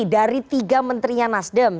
dari tiga menterinya nasdem